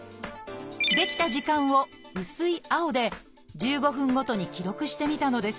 できた時間を薄い青で１５分ごとに記録してみたのです。